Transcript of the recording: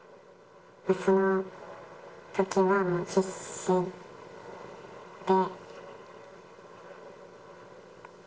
そのときはもう必死で。